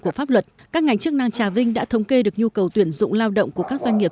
của pháp luật các ngành chức năng trà vinh đã thống kê được nhu cầu tuyển dụng lao động của các doanh nghiệp